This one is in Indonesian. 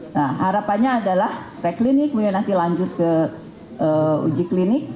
nah harapannya adalah reklinik kemudian nanti lanjut ke uji klinik